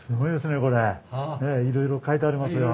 ねっいろいろ書いてありますよ。